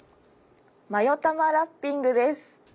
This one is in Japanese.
「マヨたまラッピング」です。